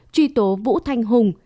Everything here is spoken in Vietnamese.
truy tố vũ thanh hùng